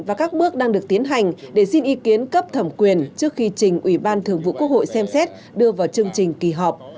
và các bước đang được tiến hành để xin ý kiến cấp thẩm quyền trước khi trình ủy ban thường vụ quốc hội xem xét đưa vào chương trình kỳ họp